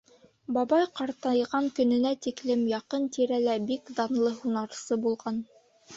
Бабай ҡартайған көнөнә тиклем яҡын-тирәлә бик данлы һунарсы булған.